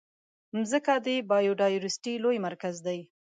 مځکه د بایوډایورسټي لوی مرکز دی.